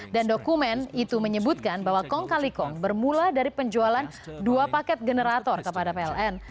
dan dokumen itu menyebutkan bahwa kongkalikong bermula dari penjualan dua paket generator kepada pln